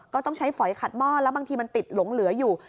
ต้องใช้ฝอยขัดหม้อแล้วบางทีมันติดหลงเหลืออยู่